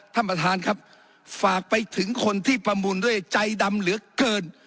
ท่านประธานครับฝากไปถึงคนที่ประมูลด้วยใจดำเหลือเกิน